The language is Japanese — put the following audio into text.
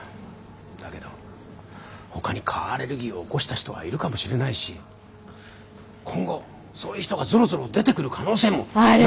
だけどほかに蚊アレルギーを起こした人はいるかもしれないし今後そういう人がゾロゾロ出てくる可能性もないとは。